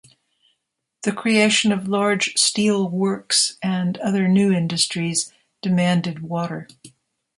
The creation of large steel works and other new industries demanded water.